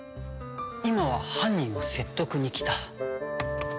今は犯人を説得に来た。